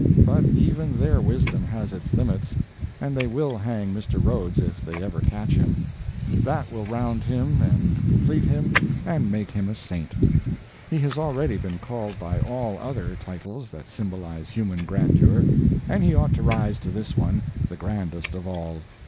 But even their wisdom has its limits, and they will hang Mr. Rhodes if they ever catch him. That will round him and complete him and make him a saint. He has already been called by all other titles that symbolize human grandeur, and he ought to rise to this one, the grandest of all.